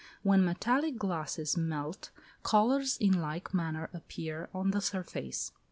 When metallic glasses melt, colours in like manner appear on the surface.